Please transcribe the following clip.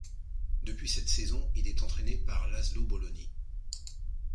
Depuis cette saison, il est entraîné par Laszlo Boloni.